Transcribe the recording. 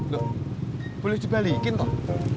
loh boleh dibalikin toh